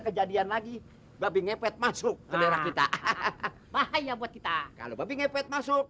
kejadian lagi babi ngepet masuk ke daerah kita hahaha bahaya buat kita kalau babi ngepet masuk